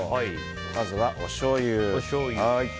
まずはおしょうゆ。